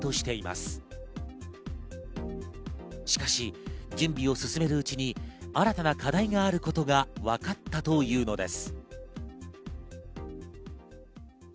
しかし準備を進めるうちに新たな課題があることがわかったというのです。